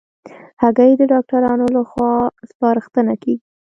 هګۍ د ډاکټرانو له خوا سپارښتنه کېږي.